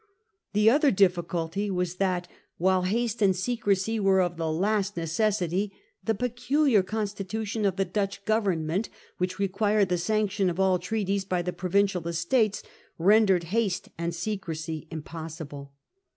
The other difficulty was that, while haste and secrecy were of the last necessity, the peculiar constitution of the Dutch government, which required the sanction of all treaties by the Provincial Estates, rendered haste and secrecy im possible.